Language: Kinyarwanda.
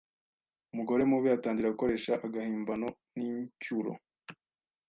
umugore mubi atangira gukoresha agahimbano n’incyuro